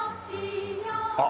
あっ！